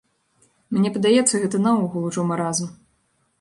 Мне падаецца, гэта наогул ужо маразм.